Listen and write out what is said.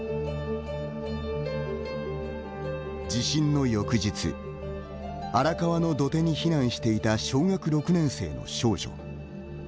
地震の翌日荒川の土手に避難していた小学６年生の少女。